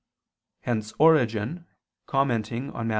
Hence Origen commenting on Matt.